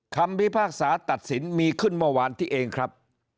พิพากษาตัดสินมีขึ้นเมื่อวานที่เองครับ